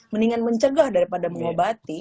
mendingan mencegah daripada mengobati